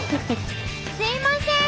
すいません！